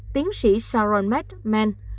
tiến sĩ sharon metzman